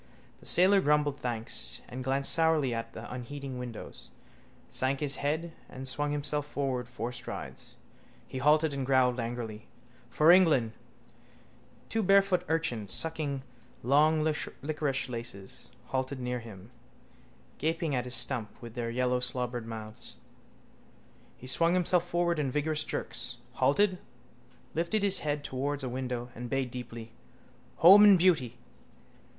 The sailor grumbled thanks, glanced sourly at the unheeding windows, sank his head and swung himself forward four strides. He halted and growled angrily: —For England... Two barefoot urchins, sucking long liquorice laces, halted near him, gaping at his stump with their yellowslobbered mouths. He swung himself forward in vigorous jerks, halted, lifted his head towards a window and bayed deeply: —_home and beauty.